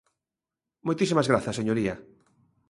Moitísimas grazas, señoría.